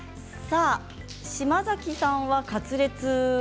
島崎さんはカツレツは？